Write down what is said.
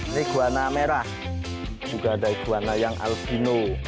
reguana merah juga daiguana yang alpino